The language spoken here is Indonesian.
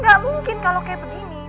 gak mungkin kalau kayak begini